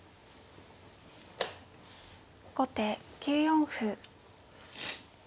後手９四歩。